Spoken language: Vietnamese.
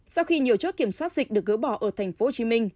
sau khi nhiều chốt kiểm soát dịch được gỡ bỏ ở tp hcm